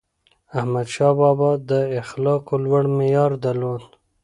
احمدشاه بابا د اخلاقو لوړ معیار درلود.